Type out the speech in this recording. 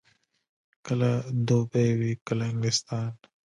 کله دوبۍ وي، کله انګلستان.